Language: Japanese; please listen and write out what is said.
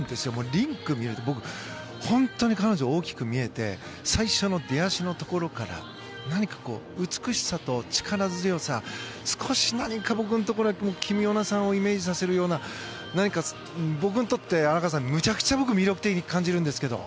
リンクで見ると本当に彼女、大きく見えて最初の出足のところから何か、美しさと力強さ少し何か僕のところにキム・ヨナさんをイメージさせるような何か僕にとってむちゃくちゃ魅力的に感じるんですけど。